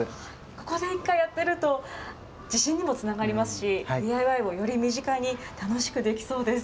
ここで１回やっていると、自信にもつながりますし、ＤＩＹをより身近に楽しくできそうです。